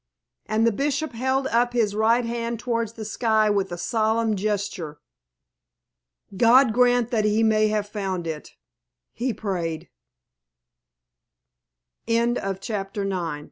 And the Bishop held up his right hand towards the sky with a solemn gesture. "God grant that he may have found it," he prayed. CHAPTER X CANON OF BEL